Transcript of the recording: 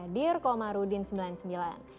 dir komarudin sembilan puluh sembilan